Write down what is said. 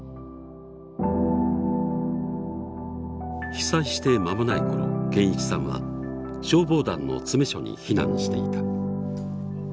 被災して間もない頃堅一さんは消防団の詰め所に避難していた。